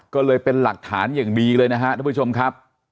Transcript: ก็เลยเป็นหลักฐานอย่างดีเลยนะครับทุกผู้ชมครับ